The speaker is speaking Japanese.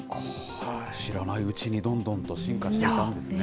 知らないうちに、どんどんと進化していたんですね。